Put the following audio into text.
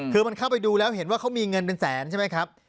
คือมันเข้าไปดูแล้วเห็นว่าเขามีเงินเป็นแสนใช่ไหมครับ